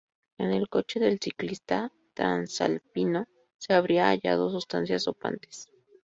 En el coche del ciclista transalpino se habrían hallado sustancias dopantes.